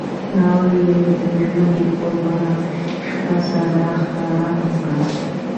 هغوی د ژمنې په بڼه شپه سره ښکاره هم کړه.